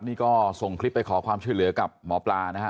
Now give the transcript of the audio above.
นี่ก็ส่งคลิปไปขอความช่วยเหลือกับหมอปลานะฮะ